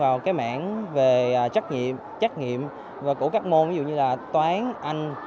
vào cái mảng về trách nhiệm trách nghiệm của các môn ví dụ như là toán anh